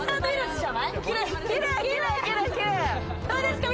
どうですか？